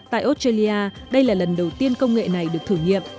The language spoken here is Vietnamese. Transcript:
tại australia đây là lần đầu tiên công nghệ này được thử nghiệm